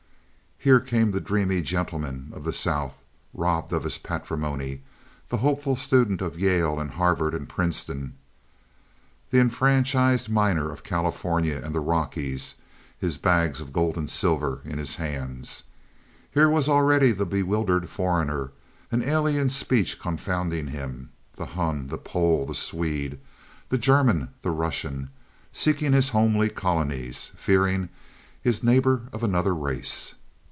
Here came the dreamy gentleman of the South, robbed of his patrimony; the hopeful student of Yale and Harvard and Princeton; the enfranchised miner of California and the Rockies, his bags of gold and silver in his hands. Here was already the bewildered foreigner, an alien speech confounding him—the Hun, the Pole, the Swede, the German, the Russian—seeking his homely colonies, fearing his neighbor of another race.